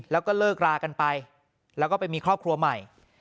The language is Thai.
แล้วก็เลิกรากันไปแล้วก็ไปมีครอบครัวใหม่